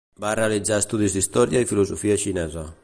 Va realitzar estudis d'història i filosofia xinesa.